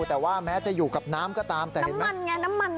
แต่ว่าแม้จะอยู่กับน้ำก็ตามน้ำมันไงน้ำมันไง